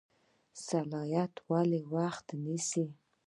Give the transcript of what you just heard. اصلاحات ولې وخت نیسي؟